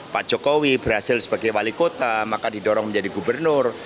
pak jokowi berhasil sebagai wali kota maka didorong menjadi gubernur